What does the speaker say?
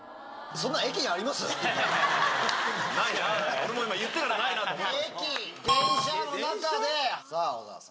俺も今言ってからないなって思った。